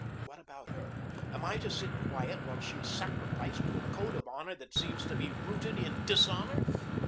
But what about her? Am I to sit quiet while she is sacrificed to a code of honor that seems to me rooted in dishonor?"